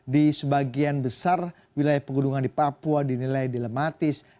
di sebagian besar wilayah pegunungan di papua dinilai dilematis